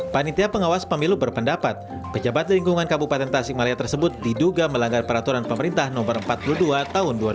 panitia pengawas pemilu berpendapat pejabat di lingkungan kabupaten tasikmalaya tersebut diduga melanggar peraturan pemerintah no empat puluh dua tahun dua ribu dua puluh